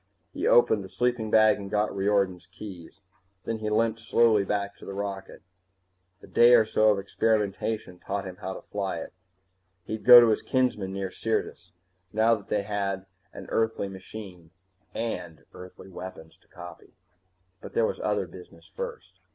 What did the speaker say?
He opened the sleeping bag and got Riordan's keys. Then he limped slowly back to the rocket. A day or two of experimentation taught him how to fly it. He'd go to his kinsmen near Syrtis. Now that they had an Earthly machine, and Earthly weapons to copy But there was other business first.